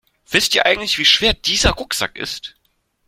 Wisst ihr eigentlich, wie schwer dieser Rucksack ist?